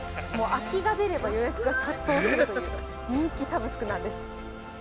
空きが出れば予約が殺到するという人気サブスクなんです。